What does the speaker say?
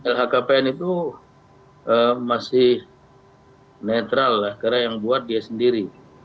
lhkpn itu masih netral lah karena yang buat dia sendiri